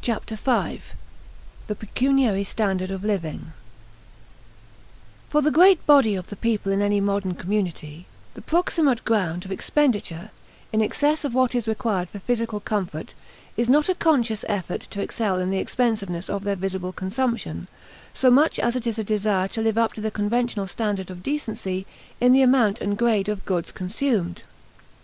Chapter Five ~~ The Pecuniary Standard of Living For the great body of the people in any modern community, the proximate ground of expenditure in excess of what is required for physical comfort is not a conscious effort to excel in the expensiveness of their visible consumption, so much as it is a desire to live up to the conventional standard of decency in the amount and grade of goods consumed.